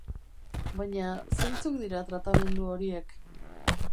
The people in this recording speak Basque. Baina zeintzuk dira tratamendu horiek?